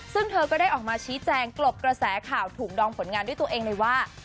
ซึ่งเธอก็ได้ออกมาชี้แจงกลบกระแสข่าวถูกดองผลงานด้วยตัวเองเลยว่า